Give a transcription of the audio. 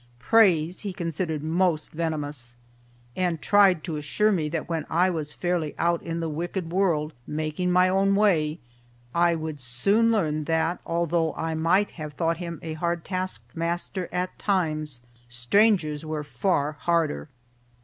Praise he considered most venomous, and tried to assure me that when I was fairly out in the wicked world making my own way I would soon learn that although I might have thought him a hard taskmaster at times, strangers were far harder.